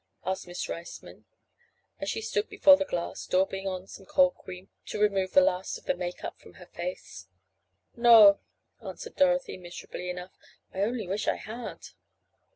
asked Miss Riceman, as she stood before the glass, daubing on some cold cream to remove the last of the "make up" from her face. "No," answered Dorothy miserably enough. "I only wish I had."